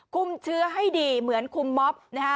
คุมเชื้อให้ดีเหมือนคุมม็อบนะฮะ